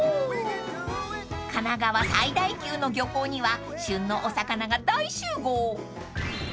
［神奈川最大級の漁港には旬のお魚が大集合］